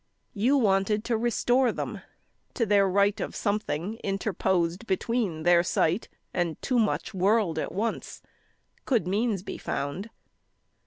You wanted to restore them to their right Of something interposed between their sight And too much world at once could means be found.